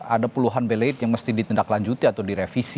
ada puluhan belate yang mesti ditindaklanjuti atau direvisi